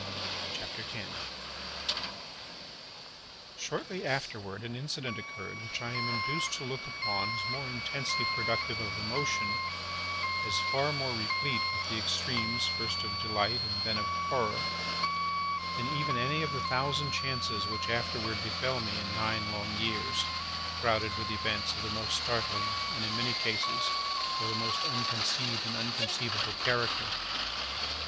CHAPTER 10 Shortly afterward an incident occurred which I am induced to look upon as more intensely productive of emotion, as far more replete with the extremes first of delight and then of horror, than even any of the thousand chances which afterward befell me in nine long years, crowded with events of the most startling and, in many cases, of the most unconceived and unconceivable character.